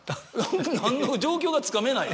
何の状況がつかめない。